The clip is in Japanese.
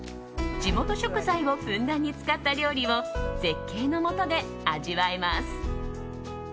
地元食材をふんだんに使った料理を絶景のもとで味わえます。